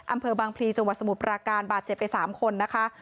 อำเภอบางพลีจังหวัดสมุทรปราการบาดเจ็บไป๓คนนะคะ